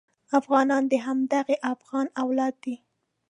افغانان د همدغه افغان اولاد دي.